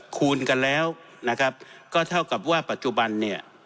คูณกันแล้วนะครับก็เท่ากับว่าปัจจุบันเนี่ย